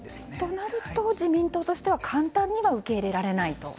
となると自民党としては簡単には受け入れられないと。